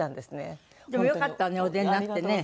でもよかったわねお出になってね。